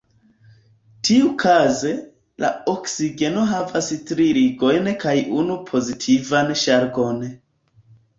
Tiukaze, la oksigeno havas tri ligojn kaj unu pozitivan ŝargon.